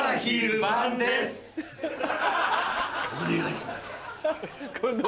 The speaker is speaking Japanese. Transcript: お願いします。